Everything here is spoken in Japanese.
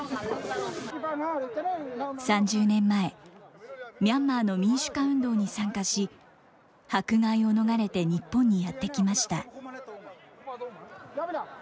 ３０年前、ミャンマーの民主化運動に参加し、迫害を逃れて日本にやって来ました。